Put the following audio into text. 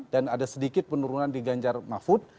dan ada sedikit penurunan di ganjar mahfud